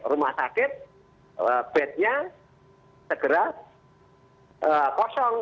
rumah sakit bednya segera kosong